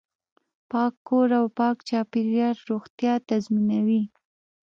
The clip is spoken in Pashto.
پاک کور او پاک چاپیریال روغتیا تضمینوي.